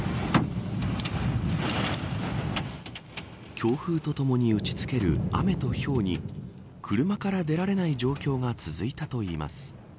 強風と共に打ちつける雨とひょうに車から出られない状況が続いたといいます。